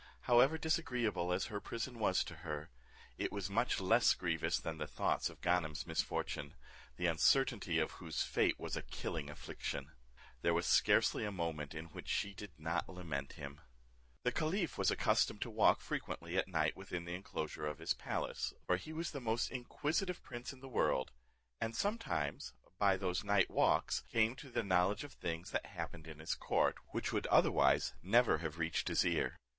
However, disagreeable as her prison was to her, it was much less grievous than the thoughts of Ganem's misfortune, the uncertainty of whose fate was a killing affliction. There was scarcely a moment in which she did not lament him. The caliph was accustomed to walk frequently at night within the enclosure of his palace, for he was the most inquisitive prince in the world, and sometimes, by those night walks, came to the knowledge of things that happened in his court, which would otherwise never have reached his ear.